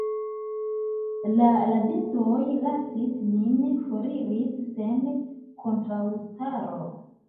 La rabistoj lasis nin foriri sen kontraŭstaro.